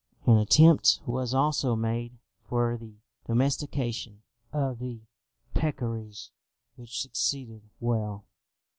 An attempt was also made for the domestication of the peccaries, which succeeded well.